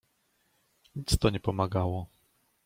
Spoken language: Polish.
"Nic to nie pomagało."